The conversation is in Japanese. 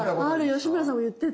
吉村さんも言ってた。